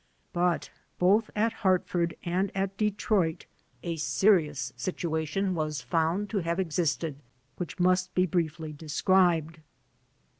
But both at Hartford and at Detroit a serious situation was found to have existed, which must be briefly described.